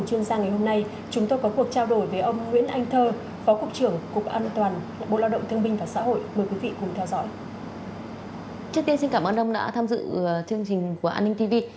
trước tiên xin cảm ơn ông đã tham dự chương trình của an ninh tv